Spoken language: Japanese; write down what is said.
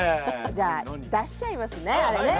じゃあ出しちゃいますねあれね。